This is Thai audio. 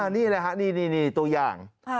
นี่แหละตัวอย่าง